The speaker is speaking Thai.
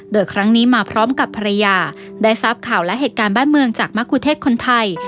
โดยครั้งนี้มาพร้อมกับภรรยาได้ทราบข่าวและเหตุการณ์บ้านเมืองจากมะคุเทศคนไทย